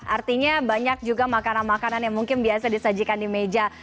artinya banyak juga makanan makanan yang mungkin biasa disajikan di meja